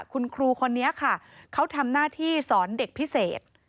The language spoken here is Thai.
คุณครูคนนี้ค่ะเขาทำหน้าที่สอนเด็กพิเศษ